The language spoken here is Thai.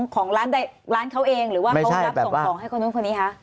ของร้านใดร้านเขาเองหรือว่าเขารับส่งของให้คนนู้นคนนี้คะ